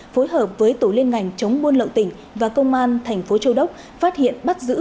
phối hợp với tổ liên ngành chống buôn lậu tỉnh và công an thành phố châu đốc phát hiện bắt giữ